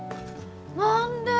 何で？